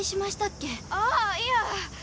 あっいや。